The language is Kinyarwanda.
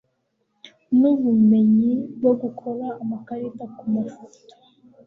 nubumenyi bwo gukora amakarita kumafoto